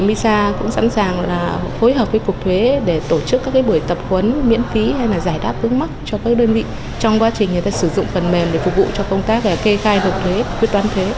misa cũng sẵn sàng là phối hợp với cục thuế để tổ chức các buổi tập huấn miễn phí hay là giải đáp ứng mắc cho các đơn vị trong quá trình người ta sử dụng phần mềm để phục vụ cho công tác kê khai nộp thuế quyết toán thuế